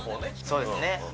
そうですね